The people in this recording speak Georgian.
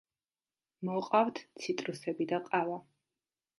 მოყავთ ციტრუსები და ყავა.